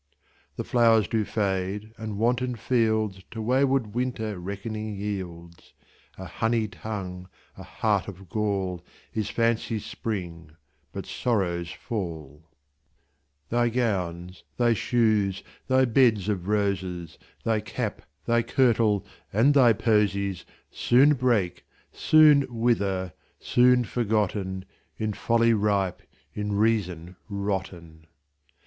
The flowers do fade, and wanton fieldsTo wayward Winter reckoning yields:A honey tongue, a heart of gall, Is fancy's spring, but sorrow's fall. Thy gowns, thy shoes, thy beds of roses, Thy cap, thy kirtle, and thy posies, Soon break, soon wither—soon forgotten, In folly ripe, in reason rotten.